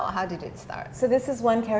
mulai jadi ini adalah satu karakter